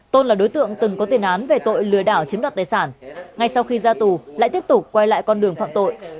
tôn là đối tượng từng có tiền án về tội lừa đảo chiếm đoạt tài sản ngay sau khi ra tù lại tiếp tục quay lại con đường phạm tội